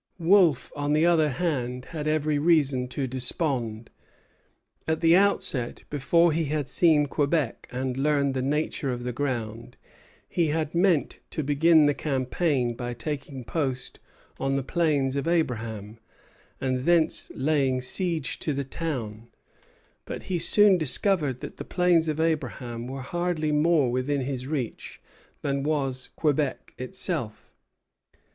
Wolfe, on the other hand, had every reason to despond. At the outset, before he had seen Quebec and learned the nature of the ground, he had meant to begin the campaign by taking post on the Plains of Abraham, and thence laying siege to the town; but he soon discovered that the Plains of Abraham were hardly more within his reach than was Quebec itself.